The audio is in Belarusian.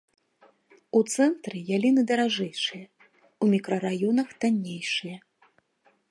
У цэнтры яліны даражэйшыя, у мікрараёнах таннейшыя.